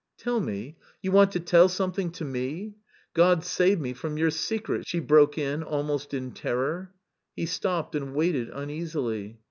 "Tell me? You want to tell me something, to me? God save me from your secrets!" she broke in almost in terror. He stopped and waited uneasily.